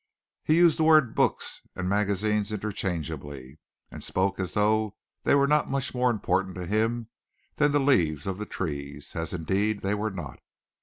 He used the words books and magazines interchangeably, and spoke as though they were not much more important to him than the leaves of the trees, as indeed, they were not.